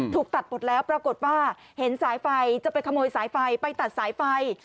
ถูกตัดหมดแล้วปรากฏว่าเห็นสายไฟจะไปขโมยสายไฟไปตัดสายไฟ